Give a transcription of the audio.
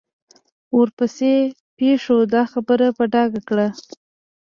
ورپسې پېښو دا خبره په ډاګه کړه.